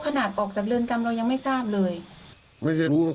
โอ้โหถึงออกจากเรินกรรม